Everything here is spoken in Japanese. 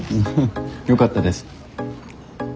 よかったです。